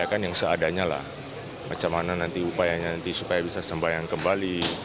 ya kan yang seadanya lah bagaimana nanti upayanya nanti supaya bisa sembayang kembali